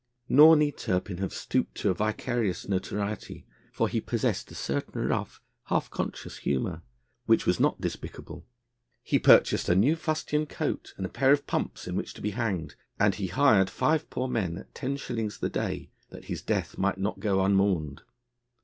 Nor need Turpin have stooped to a vicarious notoriety, for he possessed a certain rough, half conscious humour, which was not despicable. He purchased a new fustian coat and a pair of pumps, in which to be hanged, and he hired five poor men at ten shillings the day, that his death might not go unmourned.